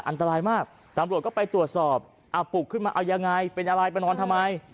อันตรายมากตำรวจก็ไปตรวจสอบปลุกขึ้นมาเอายังไงเป็นอะไรไปนอนทำไม